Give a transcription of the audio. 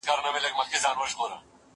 که وخت وي، پلان جوړوم!!